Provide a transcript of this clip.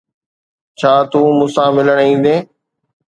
ڇا تون مون سان ملڻ ايندين؟